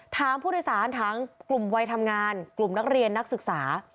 ถามผู้โดยสารทั้งกลุ่มวัยทำงานกลุ่มนักเรียนนักศึกษา